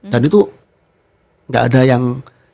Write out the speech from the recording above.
dan itu gak ada yang